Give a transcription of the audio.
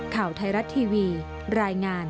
ข่าวไทยรัฐทีวีรายงาน